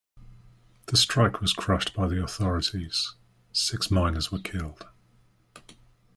The strike was crushed by the authorities; six miners were killed.